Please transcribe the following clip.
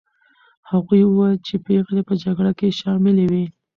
هغوی وویل چې پېغلې په جګړه کې شاملي وې.